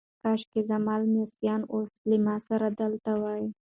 کاشکي زما لمسیان اوس له ما سره دلته وای.